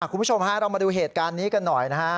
คุณผู้ชมฮะเรามาดูเหตุการณ์นี้กันหน่อยนะฮะ